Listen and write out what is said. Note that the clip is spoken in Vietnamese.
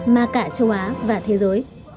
mà cả châu á và thế giới